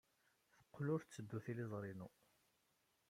Teqqel ur tetteddu tliẓri-inu.